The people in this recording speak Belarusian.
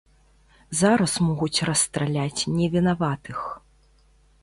Зараз могуць расстраляць невінаватых.